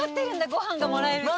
ご飯がもらえるって。